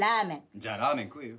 じゃあラーメン食えよ。